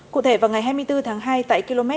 cụ thể vào ngày hai mươi bốn tháng hai tại km chín mươi ba